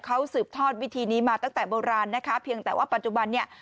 เขาสืบทอดวิธีนี้มาตั้งแต่โบราณนะคะเพียงแต่ว่าปัจจุบันเนี่ย